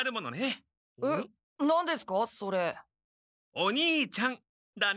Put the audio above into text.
お兄ちゃんだね。